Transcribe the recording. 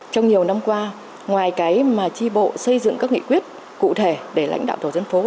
trong nhiều năm qua ngoài cái mà tri bộ xây dựng các nghị quyết cụ thể để lãnh đạo tổ dân phố